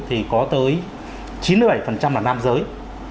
thì có tới chín mươi bảy là nam giới